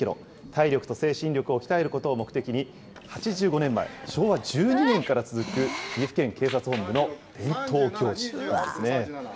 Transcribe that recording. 体力と精神力を鍛えることを目的に８５年前、昭和１２年から続く岐阜県警察本部の伝統行事なんですね。